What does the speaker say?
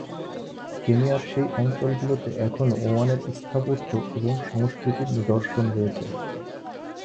কেনিয়ার সেই অঞ্চলগুলোতে এখনও ওমানের স্থাপত্য এবং সংস্কৃতির নিদর্শন রয়েছে।